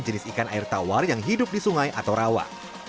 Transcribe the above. jenis ikan air tawar yang hidup di sungai atau rawa